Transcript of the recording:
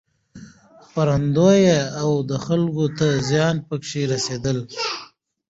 خپرېدو او دخلکو ته زيان پکې رسېدل